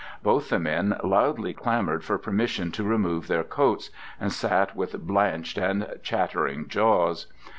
Both the men loudly clamoured for permission to remove their coats, and sat with blanched and chattering jaws.